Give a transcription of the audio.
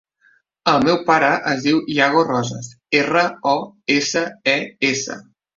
El meu pare es diu Yago Roses: erra, o, essa, e, essa.